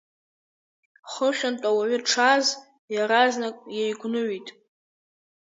Хыхьынтәи ауаҩы дшааз иаразнак еигәныҩит.